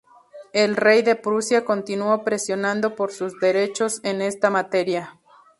El rey de Prusia continuó presionando por sus derechos en esta materia.